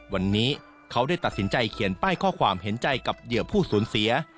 วันนี้เขาได้ตัดสินใจเขียนป้ายข้อความเห็นใจกับเหยื่อผู้สูญเสีย